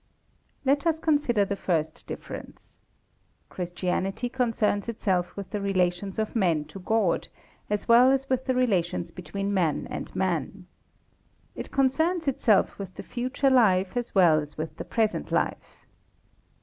Let us consider the first difference. Christianity concerns itself with the relations of Man to God, as well as with the relations between man and man. It concerns itself with the future life as well as with the present life.